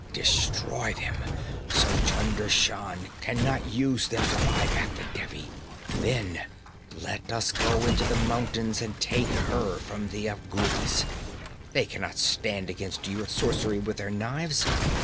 Destroy them, so Chunder Shan can not use them to buy back the Devi. Then let us go into the mountains and take her from the Afghulis. They can not stand against your sorcery with their knives.